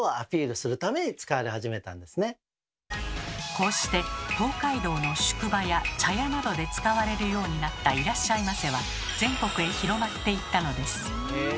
こうして東海道の宿場や茶屋などで使われるようになった「いらっしゃいませ」は全国へ広まっていったのです。